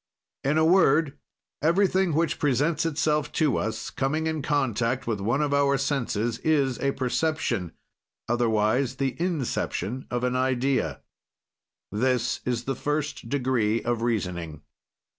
"In a word, everything which presents itself to us, coming in contact with one of our senses, is a perception; otherwise, the inception of an idea. "This is the first degree of reasoning.